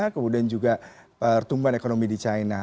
kemudian juga pertumbuhan ekonomi di china